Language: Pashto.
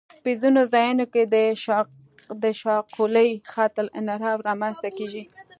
په ځینو ځایونو کې د شاقولي خط انحراف رامنځته کیږي